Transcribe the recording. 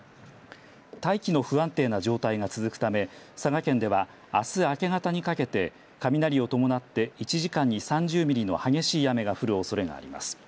大気の不安定な状態が続くため佐賀県では、あす明け方にかけて雷を伴って１時間に３０ミリの激しい雨が降るおそれがあります。